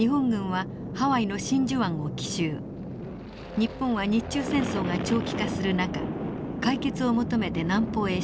日本は日中戦争が長期化する中解決を求めて南方へ進出。